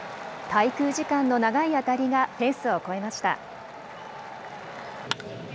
滞空時間の長い当たりが、フェンスを越えました。